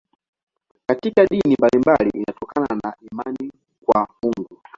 Katika dini mbalimbali inatokana na imani kwa Mungu.